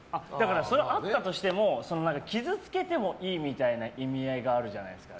あったとしても傷つけてもいいみたいな意味合いがあるじゃないですか